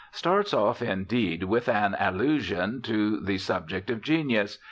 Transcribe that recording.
starts off, indeed, with an allusion to the subject of genius.